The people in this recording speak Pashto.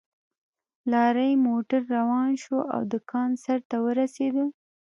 لارۍ موټر روان شو او د کان سر ته ورسېدل